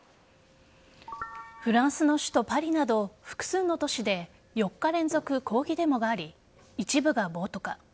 フランスの首都・パリなど複数の都市で４日連続、抗議デモがあり一部が暴徒化。